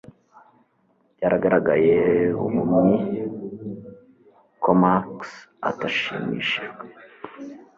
Byaragaragaye buhumyi ko Max atashimishijwe